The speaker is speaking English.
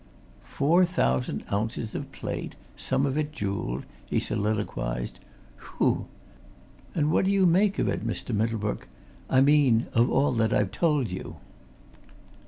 "Four thousand ounces of plate some of it jewelled!" he soliloquised. "Whew! And what do you make of it, Mr. Middlebrook? I mean of all that I've told you?"